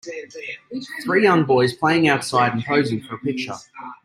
Three young boys playing outside and posing for a picture